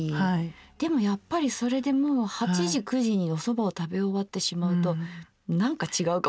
でもやっぱりそれでもう８時９時におそばを食べ終わってしまうとなんか違うかもしれない。